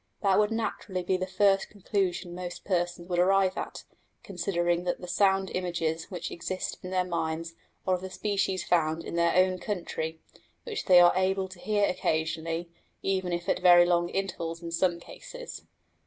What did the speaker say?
That would naturally be the first conclusion most persons would arrive at, considering that the sound images which exist in their minds are of the species found in their own country, which they are able to hear occasionally, even if at very long intervals in some cases.